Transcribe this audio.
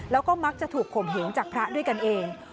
แล้วก็มักจะถูกข่มเหงจากพระด้วยกันเอง